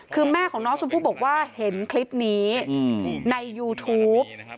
คือแม่ของน้องชมพู่บอกว่าเห็นคลิปนี้ในยูทูป